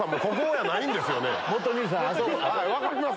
はい分かります。